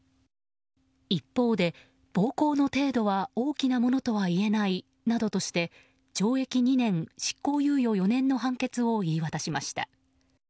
一方で、暴行の程度は大きなものとは言えないなどとして懲役２年執行猶予４年の判決を言い渡しました。